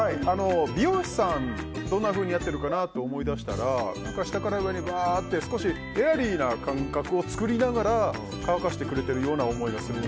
美容師さんどんなふうにやってるかなって思い出したら下から上に、うわーって少し、エアリーな感覚を作りながら乾かしてくれてるような気がして。